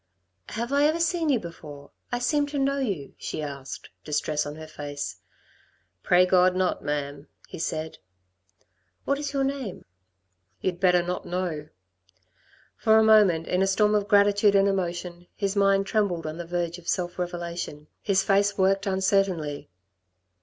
"Have I ever seen you before? I seem to know you," she asked, distress on her face. "Pray God not, ma'am," he said. "What is your name?" "You'd better not know." For a moment, in a storm of gratitude and emotion, his mind trembled on the verge of self revelation. His face worked uncertainly.